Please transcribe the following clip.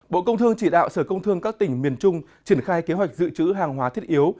bộ công thương chỉ đạo sở công thương các tỉnh miền trung triển khai kế hoạch dự trữ hàng hóa thiết yếu